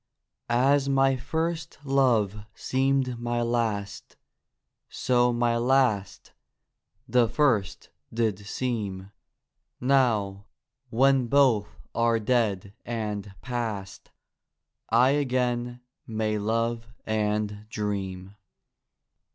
As my first love seemed my last, So my last — the first did seem; Now, when both are dead and past, I again may love and dream.